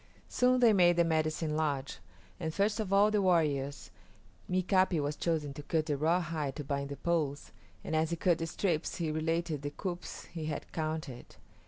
Soon they made the medicine lodge, and first of all the warriors, Mika´pi was chosen to cut the rawhide to bind the poles, and as he cut the strips he related the coups he had counted.